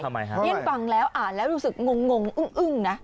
ทำไมฮะเพราะอะไรย่นฟังแล้วอ่านแล้วรู้สึกงงอึ้งนะ